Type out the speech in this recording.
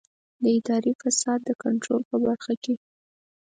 د اداري فساد د کنټرول په برخه کې.